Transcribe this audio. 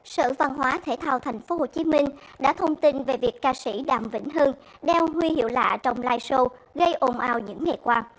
sở văn hóa thể thao tp hcm đã thông tin về việc ca sĩ đàm vĩnh hưng đeo huy hiệu lạ trong live show gây ồn ào những nghệ quan